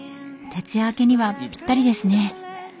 徹夜明けにはぴったりですね。